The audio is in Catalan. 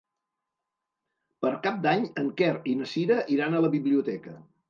Per Cap d'Any en Quer i na Cira iran a la biblioteca.